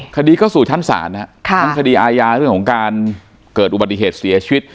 คดีก็สู่ชั้นศาลคดีอายาเรื่องของการเกิดอุบัติเหตุเสียชวิต